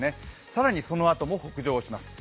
更にそのあとも北上します。